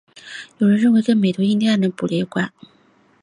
有人认为跟美洲印第安人过度捕猎有关。